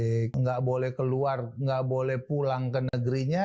tidak boleh keluar nggak boleh pulang ke negerinya